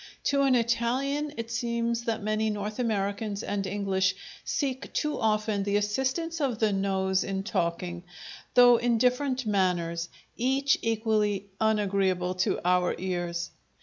To an Italian it seems that many North Americans and English seek too often the assistance of the nose in talking, though in different manners, each equally unagreeable to our ears.